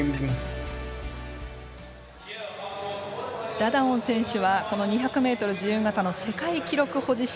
ダダオン選手はこの２００ｍ自由形の世界記録保持者。